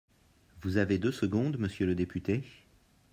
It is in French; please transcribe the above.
Vous avez deux secondes, monsieur le député.